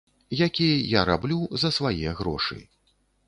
Які я раблю за свае грошы.